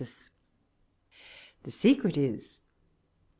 The secret is.